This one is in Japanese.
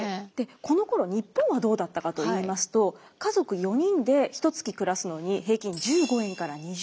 このころ日本はどうだったかといいますと家族４人でひとつき暮らすのに平均１５円から２０円あれば生活できました。